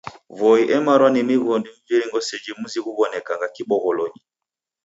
Voi emarwa ni mighondi mviringo seji mzi ghuw'onekagha kibogholonyi.